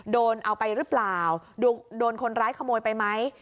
โดนเอาไปหรือเปล่าโดนคนร้ายขโมยไปไหม